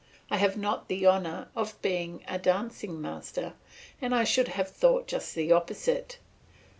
I have not the honour of being a dancing master, and I should have thought just the opposite.